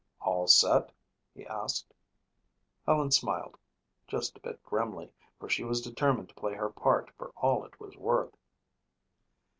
"All set?" he asked. Helen smiled, just a bit grimly, for she was determined to play her part for all it was worth.